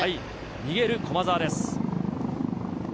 逃げる駒澤です。